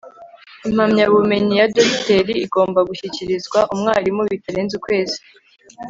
Impamyabumenyi ya dogiteri igomba gushyikirizwa umwarimu bitarenze ukwezi